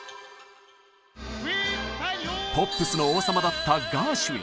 ポップスの王様だったガーシュウィン。